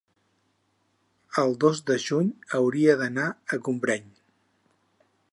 el dos de juny hauria d'anar a Gombrèn.